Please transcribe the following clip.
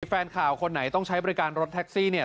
แฟนข่าวคนไหนต้องใช้บริการรถแท็กซี่เนี่ย